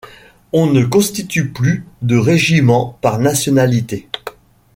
On ne constitue plus de régiments par nationalité.